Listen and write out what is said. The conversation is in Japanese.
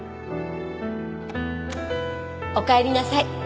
おかえりなさい。